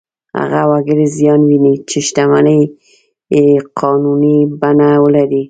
هغه وګړي زیان ویني چې شتمنۍ یې قانوني بڼه ولري.